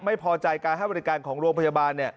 ไม่พอใจการให้บริการของโรงพยาบาล